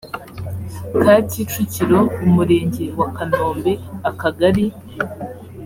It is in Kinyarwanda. ka kicukiro umurenge wa kanombe akagali